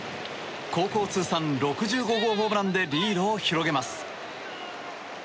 高校通算６５号ホームランでリードを広げます。